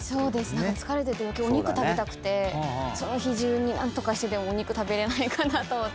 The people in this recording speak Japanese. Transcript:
何か疲れてると余計お肉食べたくてその日じゅうに何とかしてでもお肉食べれないかなと思って。